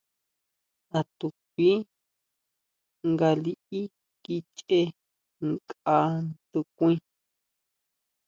A to kui nga liʼí kichʼe nkʼa tukuí.